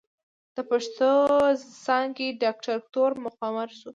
َد پښتو څانګې ډائرکټر مقرر شو